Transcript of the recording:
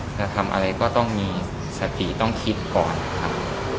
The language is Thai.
จะทำอะไรก็ต้องมีสติต้องคิดก่อนครับ